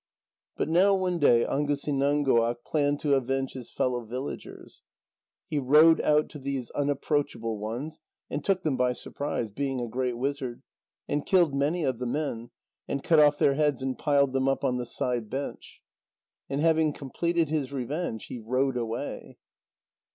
But now one day Angusinãnguaq planned to avenge his fellow villagers. He rowed out to those unapproachable ones, and took them by surprise, being a great wizard, and killed many of the men, and cut off their heads and piled them up on the side bench. And having completed his revenge, he rowed away.